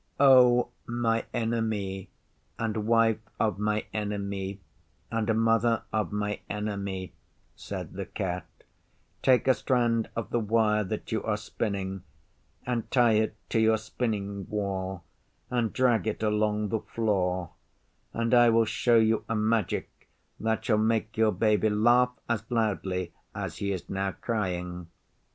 'O my Enemy and Wife of my Enemy and Mother of my Enemy,' said the Cat, 'take a strand of the wire that you are spinning and tie it to your spinning whorl and drag it along the floor, and I will show you a magic that shall make your Baby laugh as loudly as he is now crying.